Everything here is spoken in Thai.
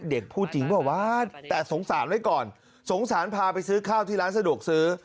พูดจริงเปล่าวะแต่สงสารไว้ก่อนสงสารพาไปซื้อข้าวที่ร้านสะดวกซื้อ